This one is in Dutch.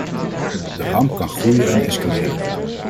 De ramp kan groeien en escaleren.